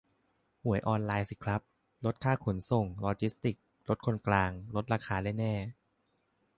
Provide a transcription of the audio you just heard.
หวยออนไลน์สิครับ ลดค่าขนส่ง-ลอจิสติกส์ ลดคนกลาง ลดราคาได้แน่